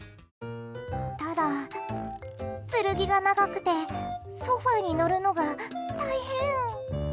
ただ、剣が長くてソファに乗るのが大変。